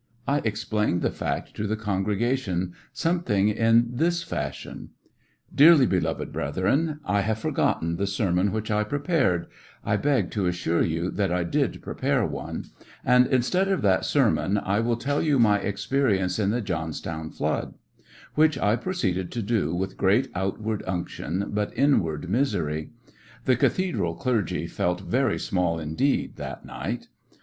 I explained the fact to the congregation some thing in this fashion : The Johnstown "Dearly beloved brethren, I have forgotten flood ^^ sermon which I prepared,— I beg to assure you that I did prepare one,— and instead of that sermon I will tell you my experiences in the Johnstown flood "; which I proceeded to do with great outward unction but inward mis ery. The "cathedral clergy" felt very small indeed that night.